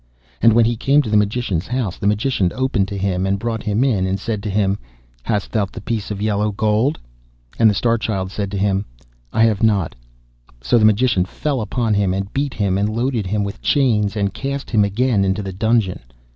And when he came to the Magician's house, the Magician opened to him, and brought him in, and said to him, 'Hast thou the piece of yellow gold?' And the Star Child said to him, 'I have it not.' So the Magician fell upon him, and beat him, and loaded him with chains, and cast him again into the dungeon.